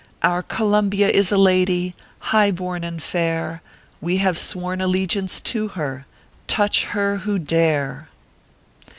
Our Columbia is a lady, High born and fair; We have sworn allegiance to her Touch her who dare.